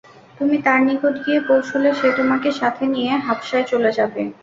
তুমি তার নিকট গিয়ে পৌঁছলে সে তোমাকে সাথে নিয়ে হাবশায় চলে যাবে।